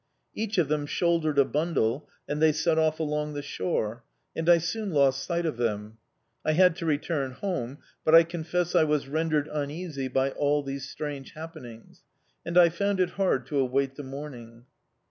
Each of them shouldered a bundle, and they set off along the shore, and I soon lost sight of them. I had to return home; but I confess I was rendered uneasy by all these strange happenings, and I found it hard to await the morning.